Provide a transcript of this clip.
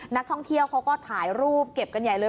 นักท่องเที่ยวเขาก็ถ่ายรูปเก็บกันใหญ่เลย